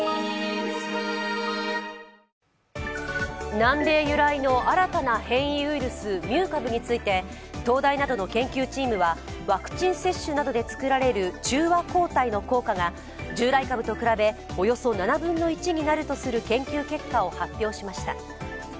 南米由来の新たな変異ウイルス、ミュー株について東大などの研究チームはワクチン接種などで作られる中和抗体の効果が従来株と比べおよそ７分の１になるとする研究結果を発表しました。